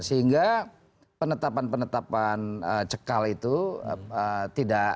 sehingga penetapan penetapan cekal itu tidak